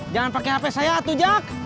jangan pake hp saya tuh jak